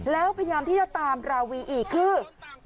แล้วพยายามที่จะตามราวีอีกคือ